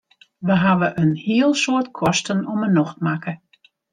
Wy hawwe in heel soad kosten om 'e nocht makke.